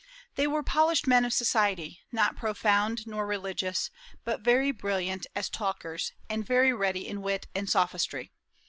They were polished men of society; not profound nor religious, but very brilliant as talkers, and very ready in wit and sophistry.